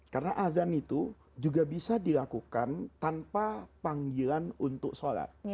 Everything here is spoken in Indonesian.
karena azan itu juga bisa dilakukan tanpa panggilan untuk sholat